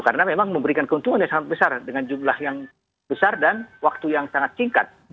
karena memang memberikan keuntungan yang sangat besar dengan jumlah yang besar dan waktu yang sangat singkat